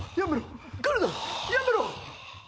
やめろ！